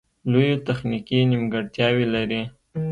لویې تخنیکې نیمګړتیاوې لري